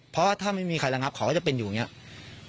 เพราะถ้าไม่มีใครระงับเขาก็จะเป็นอยู่อย่างนี้